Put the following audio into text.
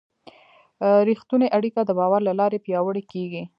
رښتونې اړیکه د باور له لارې پیاوړې کېږي.